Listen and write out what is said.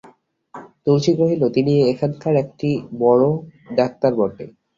তুলসী কহিল, তিনি এখানকার একটি বড়ো ডাক্তার বটে।